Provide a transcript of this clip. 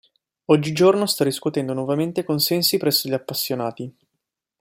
Oggigiorno sta riscuotendo nuovamente consensi presso gli appassionati.